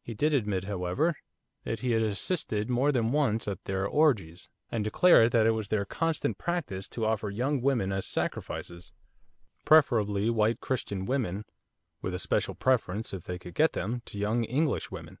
He did admit, however, that he had assisted more than once at their orgies, and declared that it was their constant practice to offer young women as sacrifices preferably white Christian women, with a special preference, if they could get them, to young English women.